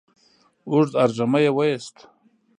اوږد ارږمی يې وايست،